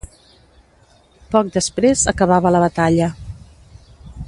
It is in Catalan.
Poc després acabava la batalla.